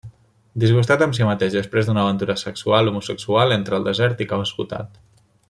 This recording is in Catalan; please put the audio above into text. Disgustat amb si mateix després d'una aventura sexual homosexual, entra al desert i cau esgotat.